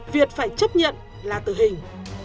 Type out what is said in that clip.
việt phải chấp nhận là tử hình